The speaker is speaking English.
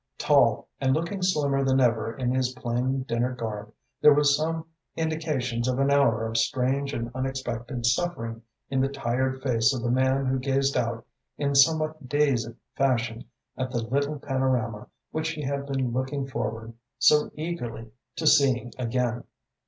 Tall, and looking slimmer than ever in his plain dinner garb, there were some indications of an hour of strange and unexpected suffering in the tired face of the man who gazed out in somewhat dazed fashion at the little panorama which he had been looking forward so eagerly to seeing again.